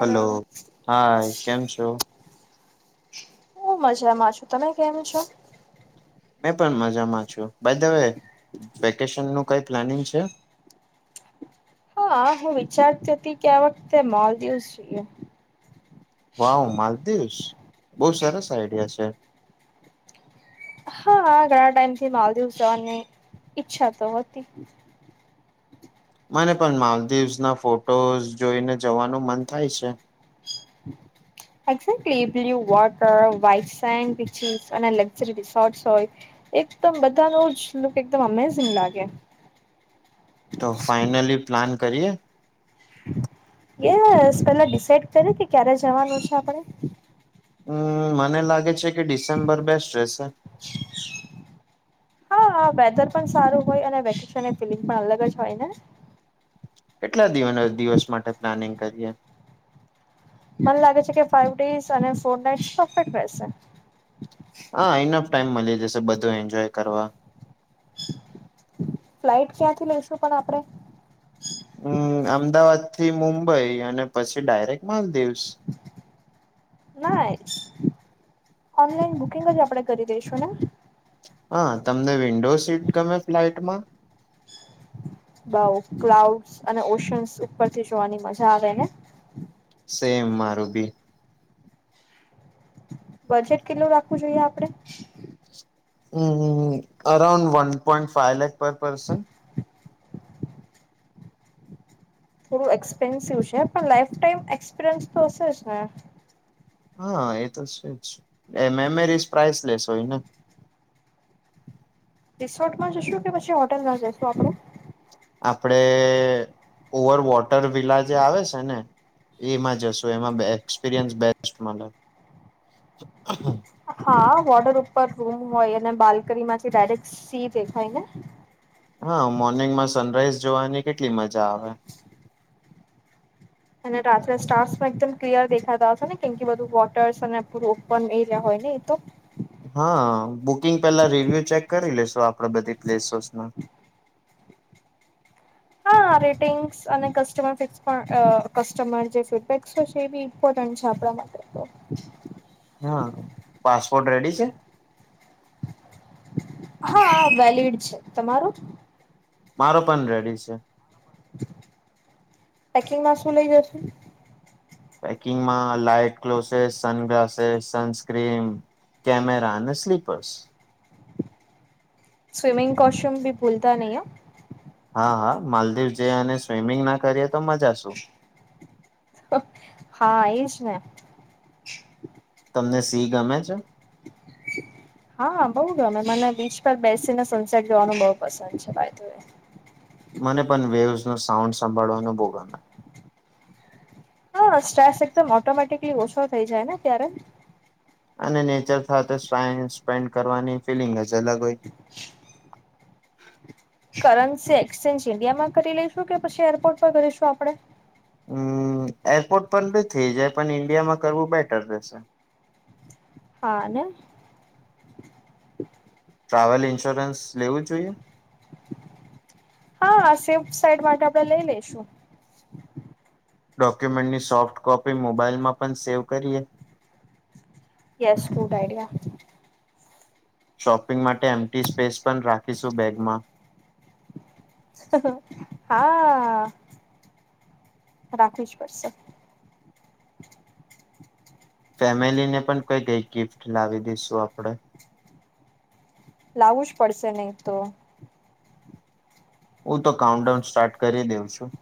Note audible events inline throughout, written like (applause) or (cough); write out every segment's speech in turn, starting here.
Hello હા કેમ છો. હું મજામાં છું તમે કેમ છો. મેં પણ મજામાં છું બાઈ દ વે વેકેશન નું કઈ પ્લાનિંગ છે. હા હું વિચારતી હતી કે આ વખતે માલદિવસ જઈએ. વાવ માલદીવસ બહુ સરસ આઈડિયા છે. હા ઘણા ટાઈમથી માલદીવ જવાની ઈચ્છા તો હતી. મને પણ માલદીવસ ના ફોટોઝ જોઈને જવાનું મન થાય છે. Exactly blue water, white sand beaches અને લક્ઝરી રિસોર્ટ હોય. એકદમ બધા નુ જ લુક એકદમ અમેઝંગ લાગે. તો ફાઈનલી પ્લાન કરીએ. એ પેલા ડિસાઇડ કરે કે ક્યારે જવાનું છે આપણે. હમ મને લાગે છે કે ડિસેમ્બર બેસ્ટ રહેશે. શ. હા હા વેધર પણ સારું હોય અને વેકેશનની ફિલિંગ પણ અલગ જ હોય ને. કેટલા દ દિવસ માટે પ્લાનિંગ કરીએ. મને લાગે છે કે ફાઈવ ડેસ અને ફોર નાટફે રહેસે. હા ઇનફ ટાઈઇમ મળી જશે બધું એન્જોય કરવા. ફ્લાઇટ ક્યાંથી લઈશું પણ આપડણે. હમ અમદાવાદ થી મુંબઈ અને પછી ડાયરેક માલદીવસ. નાઇસ. ઓનલાઈન બુકિંગ જ આપણે કરી દઈશું ને. હા તમને વિન્ડો સીટ ગમે ફ્લાઈટ માં. બઉ ક્લાઉડ અને ઓશન્સ ઉપર થી જોવાની મજા આવે ને. સેમ મારું બી. બજેટ કેટલું રાખવું જોઈએ આપડણે. હમ હ્ હ around one point five lakh per person. થોડું એક્સપેન્સિવ છે પણ લાઈફ ટાઈમ એક્સપિરિયન્સ તો હશે જ ને. હા એ તો છેજ એ મેમરીસ પ્રાઇસલેસ હોય ને. રિસોર્ટમાં જશું કે પછી હોટલમાં જશું આપણું. આપડે ઓવર વોટર વિલા જે આવે છે ને. એમાં જશું એમાં એક્સપિરિયન્સ બેસ્ટ મળે. હા વોર્ડર ઉપર રૂમ હોય અને બાલ્કની માંથી ડાયરેક્ટ સી દેખાય ને. હા મોર્નિંગમાં સનરાઈઝ જોવાની કેટલી મજા આવે અને સ્ટાર એકમ ક્લિયર દેખાતા હ છે ને કેમ બધું વોટર્સ અને પૂરો ઓપન એરિયા હોય ને એ તો. હા બુકિંગ પેલા રિવ્યુ ચેક કરી લેશો આપણે બધી પ્લેસોસમાં. હા રેટિંગ્સ અને કસ્ટમર ફિક્સ પણ કસ્ટમર જે ફીડબેક છે એ બી. ઇમ્પોર્ટન્ટ છે આપણા માટે તો. હા પાસપોર્ટ રેડી છે. હા વેલિડ છે તમારું. મારો પણ રેડી છે. પેકિંગમાં શું લઇ જશે. પેકિંગમાં light clothes sun glasses sunscreen. Camera અને સ્લીપર્સ. સ્વિમિંગ કોશ્યુમ ભી ભૂલતા નહી હ. હા હા માલદીવ જઈ અને સ્વિમિંગ ના કરીએ તો મજા શું. હા એજ ને તમને સી ગમે છે. હા બહુ ગમે મને બીચ પર બેસીને સનસેટ જોવાનું બહુ પસંદ છે બાઈ દ વે. મને પણ વેવસ નો સાઉન્ડ સંભાળવાનું બો ગમે હા સ્ટ્રેસ એકદમ ઓટોમેટિકલી ઓછો થઈ જાય ને ત્યારે અને નેચર સાથે ટાઈમ સ્પેન્ડ કરવાની ફિલિંગ અલગ હોય કરન્સી એક્સચેન્જ ઇન્ડિયામાં કરી લઈશું કે પછી એરપોર્ટ પર કરીશું આપડણે હમ્મ એરપોર્ટ પણ નથી જાય પણ ઈન્ડિયામાં કરવું બેટર રહેશે હા અને ટ્રાવેલ ઇન્સ્યોરન્સ લેવું જોઈએ હા શેફ્ટ સાઈડ માટે આપડે લઈ લઈશું ડોક્યુમેન્ટની સોફ્ટ કોપી મોબાઈલમાં પણ સેવ કરીએ યસ ગુડ આઈડિયા શોપિંગ માટે એમટી સ્પેસ પણ રાખીશું બેગમાં હા રાખવી જ પડશે ફેમિલી ને પણ કઈ કઈ ગિફ્ટ લાવી દઈશું આપડે લાવું જ પડશે નહી તો હું તો કાઉન્ટ ડાઉન સ્ટાર્ટ કરી દેઉ છું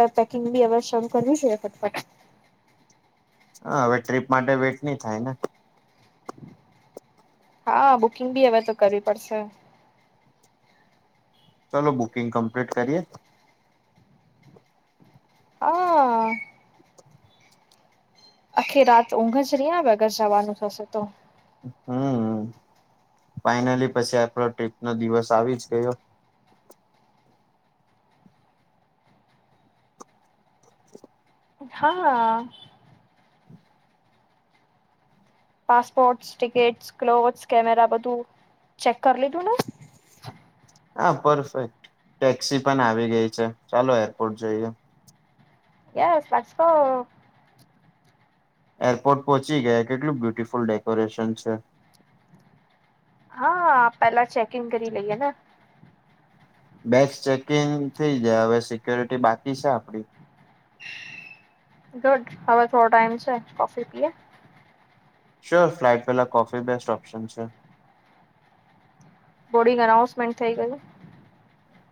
આપ પેકિંગ બી હ શમ કર્યું છે ફટપાટ હા હવે ટ્રીપ માટે વેટ નહી થાય ને હા બુકિંગ બી હવે તો કરવી પડશે ચાલલો બુકિંગ કમ્પ્લીટ કરીએ હા આખી રાત ઊંઘ જ રહી વગર જવાનું થશે તો હમ્મ ફાઈનલી પછી આપડો ટ્રીપ નો દિવસ આવી જ ગયો હા હા પાસપોર્ટ ટિકિટ્સ ક્લોથસ કેમેરા બધું ચેક કરી લીધું ને હા પરફેક્ટ ટેક્સી પણ આવી ગઈ છે ચાલો એરપોર્ટ જોઈએ એ સ્પસકો એરપોર્ટ પહોંચી ગયા કેટલું બ્યુટીિફુલ ડેકોરેશન છે હા પેલા ચેકિંગ કરી લઈએ ને બેક્સ ચેકિંગ થઇ જાય હવે સિક્યોરિટી બાકી છે આપડી ગુડ હવે થોડો ટાઈઇમ છે કોફી પીએ શ્યોર ફ્લાઇટ પેલા કોફી બેસ્ટ ઓપ્શન છે બોર્ડંગ અનાઉન્સમેન્ટ થઈ ગયું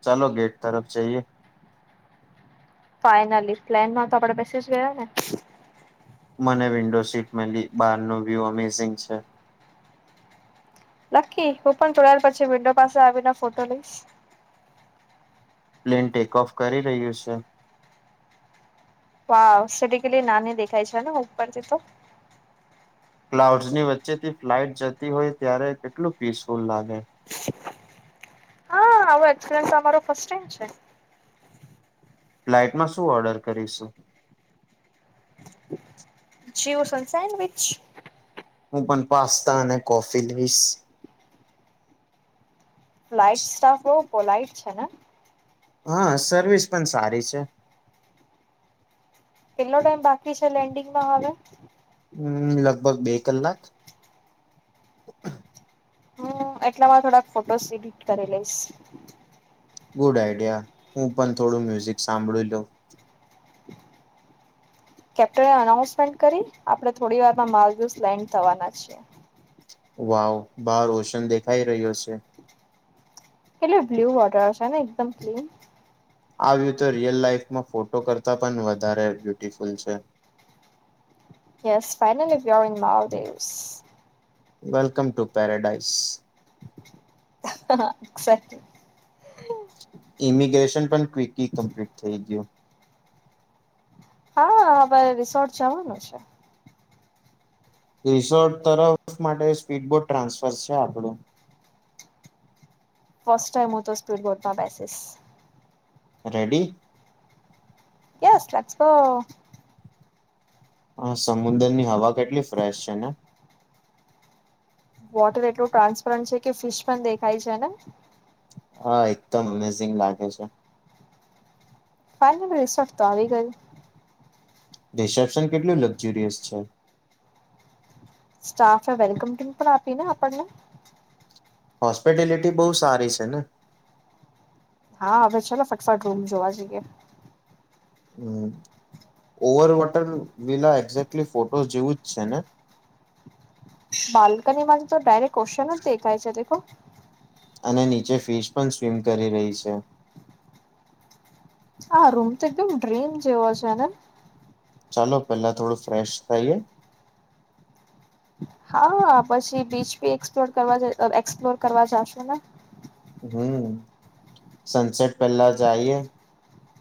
ચાલો ગેટ તરફ જઈએ ફાઈઇનલી પ્લેન માં તો આપડે પસે જ ગયા ને મને વિન્ડો સીટ મળી બાર ન વ્યુ અમેઝિંગ છે લકી હું પણ જોડાયલ પછી વિન્ડો પાસે આવીને ફોટો લઈશ પ્લેન ટેક ઓફ કરી રહ્યું છે વાઓ સિટીકેટલી નાની દેખાય છે ને ઉપરથી તો ક્લાઉડસ ની વચ્ચેથી ફ્લાઇટ જતી હોય ત્યારે કેટલું પીસફુલ લાગે હા આવો એક્સપ્રેશ મારો ફર્સ્ટ ટાઈમ છે ફ્લાઇટમાં શું ઓર્ડર કરીશું જૂયસ અને સેન્ડવિચ હું પણ પાસ્તા અને કોફી લઈશ ફલાઈટ સ્ટાફ બહ પોલાઈટ છે ને હા સર્વિસ પણ સારી છે કેટલો ટાઈમ બાકી છે લેન્ડિંગમાં હવે હમ્મ લગભગ બે કલાક હમ્મ એટલામાં થોડાક ફોટોસ એડિટ કરી લઈશ ગુડ આઈડિયા હું પણ થોડું મ્યુઝિક સાંભળી લઉ કેપ્ટને અનાઉન્સમેન્ટ કરી આપડણે થોડી વારમાં મિલડીશ લેન્ડ થવાના છીએ વાવ બાર રોશન દેખાઈ રહ્યો છે. એટલે બ્લુ વોટર હશે ને, એકદમ ક્લીન. આ તો રિયલ લાઈફમાં, ફોટો કરતા પણ વધારે બ્યુટફુલ છે. ય ફનલી ઇ માવ દેવસ (unintelligible) વેલકમ ટુ પેરાડઈસ. હ. (unintelligible) ઇમિગ્રેશન પણ ક્વિકલી કમ્પ્લીટ થઈ ગયું. હા, હવે રિસોર્ટ જવાનું છે. રિસોર્ટ તરફ માટે, સ્પીડ બોર્ટ ટ્રાન્સફર છે આપણું‌. ફસ્ટ ટાઈમ ઓ તો સ્પૂરપ બેસ. રેડી. એસ લસ. હા, સમુદ્ર ની હવા કેટલી ફ્રેશ છે ને. વોટર એટલું ટ્રાન્સપરન્ટ છે કે, ફિશ પણ દેખાય છે ને. હા, એકદમ અમેઝિંગ લાગે છે. પા રસટતો આવી ગ (unintelligible) રિસેપ્શન કેટલું લક્ઝુરિયસ છે. સ્ટાફે વેલકમ તો પણ આપી ને આપણને. હોસ્પિટેલિટી બહુ સારી છે ને. હા, હવે છે ને, સકસટ રૂમ જોવા જઈએ. હમ, over water villa exactly photo જેવું જ છે ને. બાલ્કનીમાં તો ડાયરેક્ટ ઓશન દેખાાય છે, તે અને નીચે ફિશ પણ સ્વિમ કરી રહી છે. હા, રૂમ તો એકદમ ડ્રેન જેવો છે. ચાલો, પેલા થોડું ફ્રેશ થઈએ. હા, પછી બીચ બી એક્સપ્લોર કરવા, એક્સપ્લોર કરવા જશો ને? હમ. સનસેટ પહેલા જઈએ,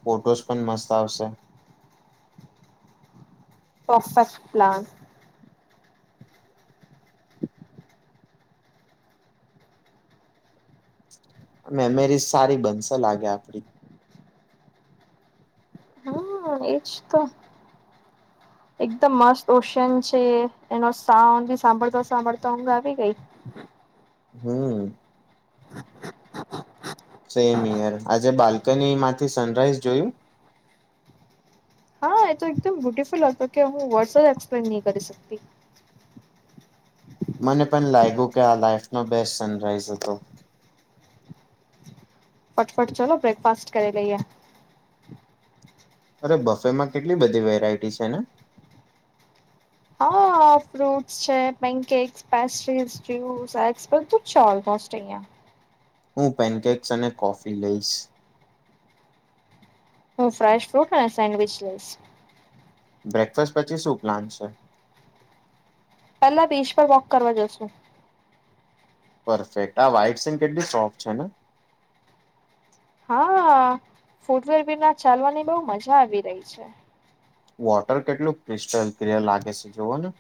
ફોટોસ પણ મસ્ત આવશે. Perfect plan. મેમરીઝ સારી બનશે લાગે આપડી. હ. એજ તો. એકદમ મસ્ત ઓશિયન છે, એનો સાઉન્ડ ભી સાંભળતો સાંભળતો ઊધ આવી ગઈ. હમ. સેમ યાર, આજે બાલ્કની માંથી સનરાઈઝ જોયું. હા, એ તો એકદમ બ્યુટિફુલ હતો કે હું વર્ડસ જ એક્સપ્લેન નહીં કરી શકતી. મને પણ લાગ્યું કે આ લાઈફ ન બેસ્ટ સનરાઈઝ હતો. ફટફટ, ચાલો બ્રેકફાસ્ટ કરી લઈએ. અરે, બફે માં કેટલી બધી વેરાયટી છે ને! હા, ફ્રુટ્ છે બેન્કેક. (unintelligible) હું પેનકેક્સ અને કોફી લઈશ. હું, ફ્રાડ ફ્રૂટ અને સેન્ડવીચ લઈશ. બ્રેકફાસ્ટ પછી શું પ્લાન છે? પેલા બીચ પર વોક કરવા જશુ. પરફેક્ટ આ ફાઈટ સંગ કેટલી સોફ્ટ છે ને. હા, ફૂટવેર બી ના ચાલવાની બહુ મજા આવી રહી છે‌. વોટર કેટલું ક્રિસ્ટલ ક્રિયર લાગે છે, જોઓ ને.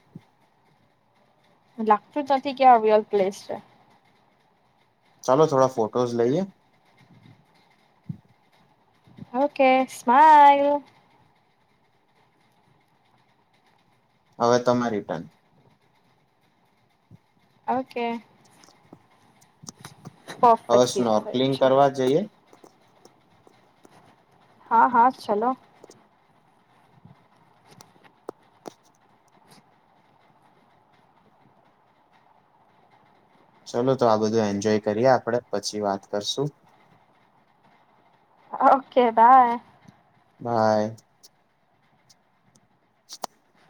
લાગતું જ નથી કે આ પ્લેસ છે. ચાલો થોડા ફોટોઝ લઈએ. Okay smile. હવે તમામે રિટર્ન. ઓકે. હ સ્ પરફેક્ટલી થયું નકલિંગ છે કરવા જઈએ. હા હા ચલો. ચાલલો તો આ બધું એન્જોય કરીએ આપડે પછી વાત કરશું. ઓકે. (unintelligible) ભાઈ. (unintelligible) (inaudible)